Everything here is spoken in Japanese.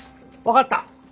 分かった。